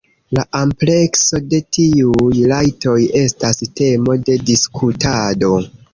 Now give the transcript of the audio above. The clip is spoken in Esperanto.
La amplekso de tiuj rajtoj estas temo de diskutado.